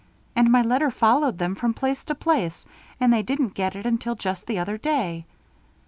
And my letter followed them from place to place, and they didn't get it until just the other day.